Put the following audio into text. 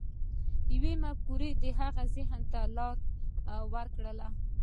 يوې مفکورې د هغه ذهن ته لار وکړه.